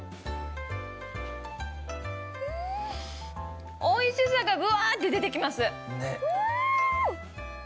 んおいしさがぶわって出て来ますん！